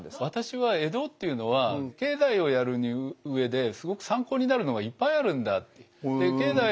私は江戸っていうのは経済をやる上ですごく参考になるのがいっぱいあるんだっていう。